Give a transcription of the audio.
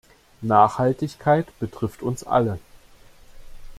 Nachhaltigkeit betrifft uns alle.